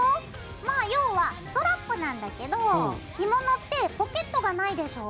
まあ要はストラップなんだけど着物ってポケットがないでしょ？